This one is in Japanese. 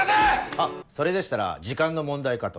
あっそれでしたら時間の問題かと。